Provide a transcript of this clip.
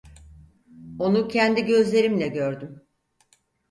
Onu kendi gözlerimle gördüm.